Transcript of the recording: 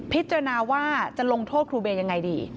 พิจารณาว่าจะลงโทษครูเบย์ยังไงดี